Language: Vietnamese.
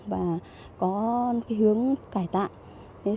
và có hướng cải tạo